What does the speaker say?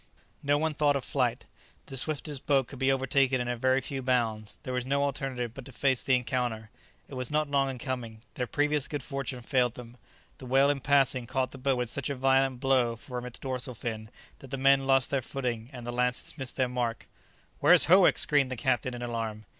No one thought of flight. The swiftest boat could be overtaken in a very few bounds. There was no alternative but to face the encounter. It was not long in coming. Their previous good fortune failed them. The whale in passing caught the boat with such a violent blow from its dorsal fin, that the men lost their footing and the lances missed their mark. "Where's Howick?" screamed the captain in alarm.